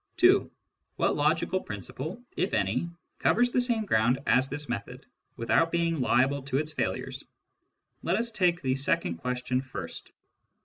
(2) What logical principle, if any, covers the same ground as this method, without being liable to its failures ? Let us take the second question first.